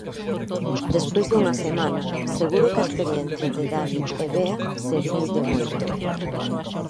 Despois dunha semana, seguro que a experiencia de Dani e Bea serviu de moito...